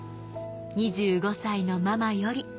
２５歳のママより」